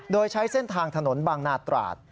โดยใช้เส้นทางถนนบางนาตราด